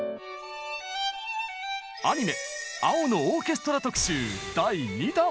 アニメ「青のオーケストラ」特集！